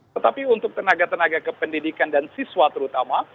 tetapi untuk tenaga tenaga kependidikan dan siswa terutama